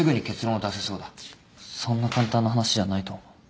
そんな簡単な話じゃないと思う。